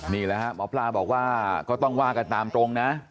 นี่แหละฮะหมอปลาบอกว่าก็ต้องว่ากันตามตรงนะ